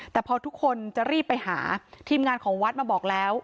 แต่พอทุกคนจะรีบไปหาทีมงานของวัดมาบอกแล้ว